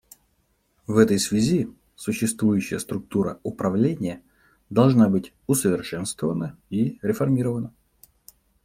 В этой связи существующая структура управления должна быть усовершенствована и реформирована.